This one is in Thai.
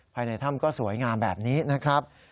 ภายในถ้ำก็สวยงามแบบนี้นะครับ